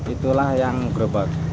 itulah yang gerobak